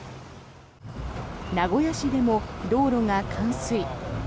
名古屋市でも道路が冠水。